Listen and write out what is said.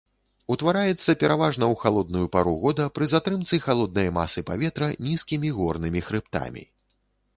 Ўтвараецца пераважна ў халодную пару года пры затрымцы халоднай масы паветра нізкімі горнымі хрыбтамі.